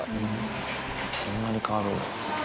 こんなに変わるんだ。